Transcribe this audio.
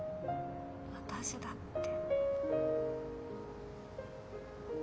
私だって。